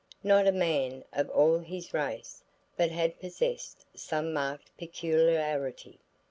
Not a man of all his race but had possessed some marked peculiarity.